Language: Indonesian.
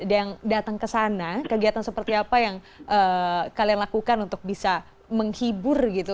ada yang datang ke sana kegiatan seperti apa yang kalian lakukan untuk bisa menghibur gitu